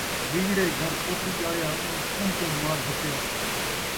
ہیجڑے دے گھر پتر ڄایا ، اوں چم چم مار گھتیا